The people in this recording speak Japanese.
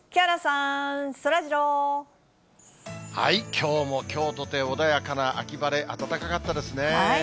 きょうもきょうとて穏やかな秋晴れ、暖かかったですね。